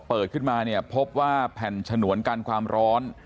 เปิดขึ้นมาเนี่ยพบว่าแผ่นฉนวนกันความร้อน